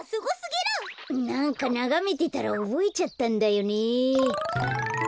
なんかながめてたらおぼえちゃったんだよね。